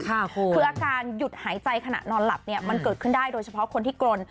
คืออาการหยุดหายใจขณะนอนหลับเนี่ยมันเกิดขึ้นได้โดยเฉพาะคนที่กรน